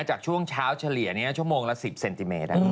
จากช่วงเช้าเฉลี่ยชั่วโมงละ๑๐เซนติเมตร